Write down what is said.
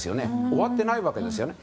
終わっていないわけですよね。